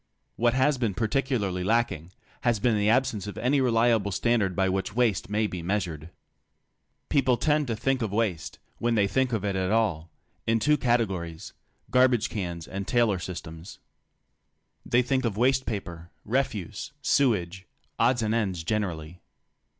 What has been particularly lacking has been the absence of any reliable standard by which waste may be measured. People tend to think of waste — when they think of it at all — in two categories, garbage cans and Taylor systems. They think of waste paper, refuse, sewage, odds and ends generally.